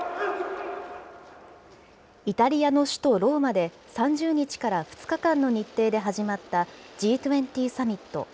イタリアの首都ローマで、３０日から２日間の日程で始まったＧ２０サミット。